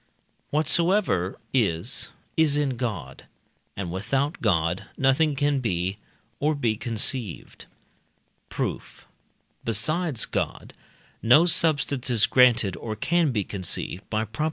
Whatsoever is, is in God, and without God nothing can be, or be conceived. Proof. Besides God, no substance is granted or can be conceived (by Prop.